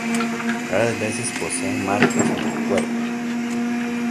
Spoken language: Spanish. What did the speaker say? Raras veces poseen marcas en el cuerpo.